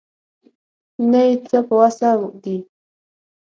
نه یې څه په وسه دي.